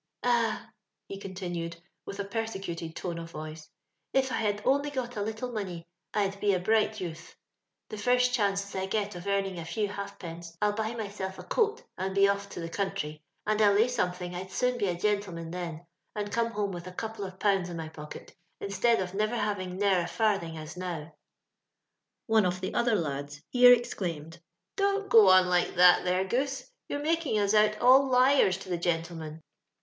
'* Ah," he continued, with a persecuted tone of voice, " if I had only got a little money, I'd be a bright youth I The first chance as I get of earning a few balance, I'll buy myself a coat, and be off to the country, and 111 lay something I'd soon be a gentleman then, and come home with a couple of pounds in my pocket, instead of never having ne'er a farthing, as now." One of the other lads hero exclaimed, " Don't go on like that there. Goose ; you're making us out all liars to the gentleman."